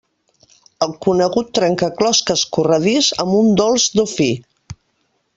El conegut trencaclosques corredís amb un dolç Dofí.